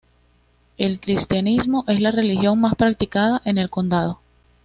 El cristianismo es la religión más practicada en el condado.